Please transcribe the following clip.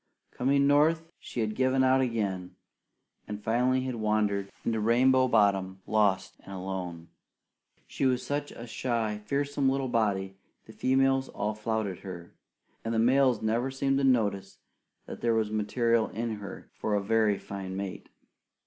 Coming North, she had given out again and finally had wandered into Rainbow Bottom, lost and alone. She was such a shy, fearsome little body, the females all flouted her; and the males never seemed to notice that there was material in her for a very fine mate.